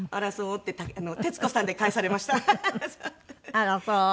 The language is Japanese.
「あらそう？」